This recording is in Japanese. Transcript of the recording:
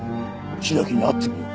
白木に会ってみよう。